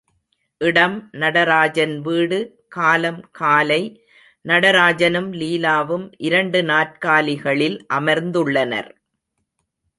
இடம் நடராஜன் வீடு காலம் காலை நடராஜனும் லீலாவும் இரண்டு நாற்காலிகளில் அமர்ந்துள்ளனர்.